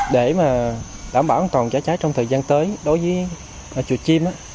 để mà đảm bảo an toàn cháy chữa cháy trong thời gian tới đối với chùa chim